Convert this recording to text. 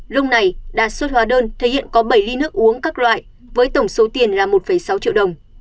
lúc này đa xuất hóa đơn thể hiện có bảy ly nước uống các loại với tổng số tiền là một sáu triệu đồng